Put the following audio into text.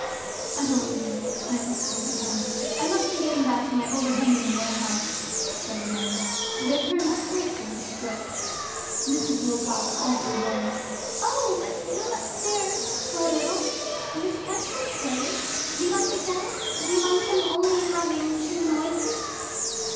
"I don't know, I don't know." "I must be getting back to my overhanging warehouse," said the man. "They've turned disgracefully strict. Mrs. Wilcox also rose. "Oh, but come upstairs for a little. Miss Quested plays. Do you like MacDowell? Do you mind him only having two noises?